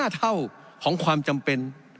๕เท่าของความจำเป็น